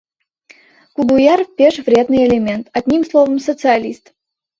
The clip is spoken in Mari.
Кугуяр — пеш вредный элемент, одним словом, социалист!